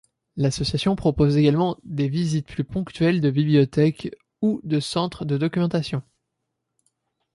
L'association propose également des visites plus ponctuelles de bibliothèques ou de centres de documentation.